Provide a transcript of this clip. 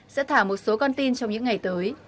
sẽ thả một số con tin trong những ngày tới